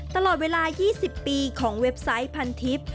ตลอดเวลา๒๐ปีของเว็บไซต์พันทิพย์